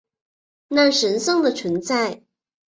那神圣的存在